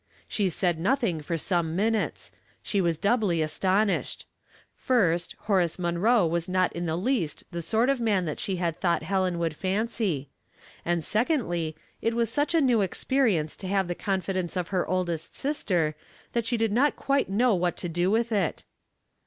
She eaid nothing for some minutes; she was doubly astonished : first, Horace Munroe was not in tJie Weighty Matters in Small Scales, 147 least the sort of man she had thought Helen would fancy ; and, secondly, it was such a new experience to have the confidence of her oldest sister that she did not quite know what to do with it.